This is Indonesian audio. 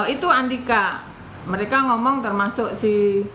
itu andika mereka ngomong termasuk si